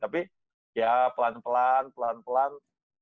tapi ya pelan pelan pelan pelan